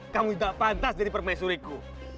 kamu tidak pantas jadi permaisuriku